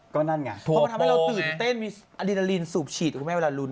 เพราะมันทำให้เราตื่นเต้นมีอดินาลีนสูบฉีดเวลารุ้น